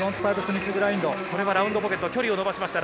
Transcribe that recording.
ラウンドポケット、距離を伸ばしました。